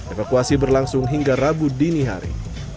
evakuasi berlangsung hingga rabu dini hari